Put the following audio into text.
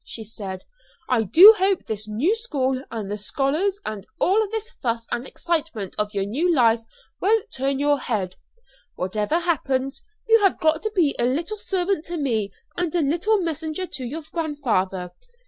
she said. "I do hope this new school and the scholars and all this fuss and excitement of your new life won't turn your head. Whatever happens, you have got to be a little servant to me and a little messenger to your grandfather.